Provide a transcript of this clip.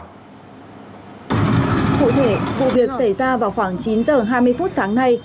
cụ thể vụ việc xảy ra vào khoảng chín h hai mươi phút sáng nay